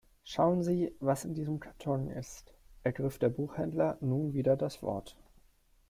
Schauen Sie, was in diesem Karton ist, ergriff der Buchhändler nun wieder das Wort.